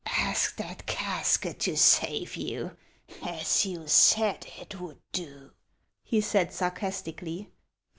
" Ask that casket to save you, as you said it would do," he said sarcastically.